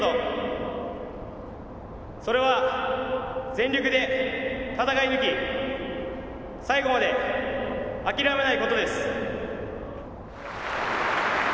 それは全力で戦い抜き最後まで諦めないことです。